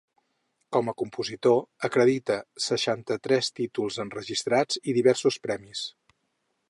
Com a compositor, acredita seixanta-tres títols enregistrats i diversos premis.